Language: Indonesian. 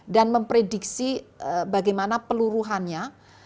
dan memprediksi bagaimana peluruhannya